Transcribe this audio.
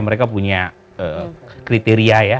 mereka punya kriteria ya